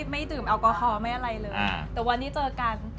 ไม่ดื่มแอลกอฮอลไม่อะไรเลยแต่วันนี้เจอกัน